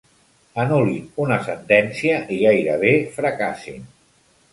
Anul·lin una sentència i gairebé fracassin.